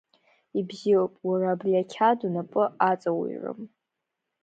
Ибзиоуп, уара абри ақьаад унапы аҵауҩрым.